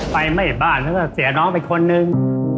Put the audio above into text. ไปไม่บ้านเสียน้องไปคนนึง